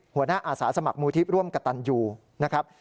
อาสาสมัครมูลที่ร่วมกับตันยูนะครับ